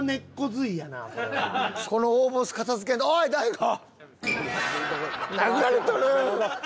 この大ボス片付けんとおい大悟！